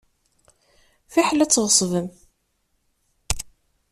Fiḥel ad tɣeṣbem.